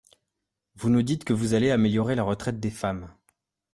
Vous nous dites que vous allez améliorer la retraite des femmes.